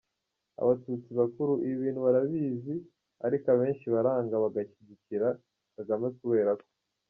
Abatutsi bakuru ibi bintu barabizi ariko abenshi baranga bagashyikira Kagame kuberako: